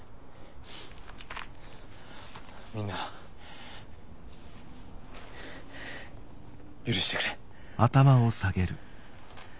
みんな許してくれ。